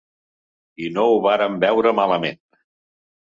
I no ho vàrem veure malament.